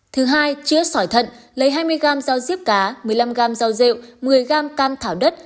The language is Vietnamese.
thứ hai chia sỏi thận lấy hai mươi g rau diếp cá một mươi năm g rau rượu một mươi g cam thảo đất